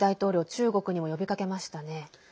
中国にも呼びかけましたね。